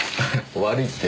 悪いって？